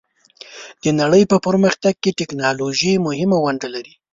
د نړۍ په پرمختګ کې ټیکنالوژي مهمه ونډه لري.